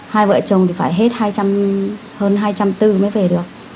hai vợ chồng thì phải hết hơn hai trăm bốn mươi mới về được